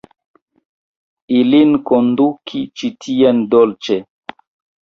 Ilin konduki ĉi tien dolĉe.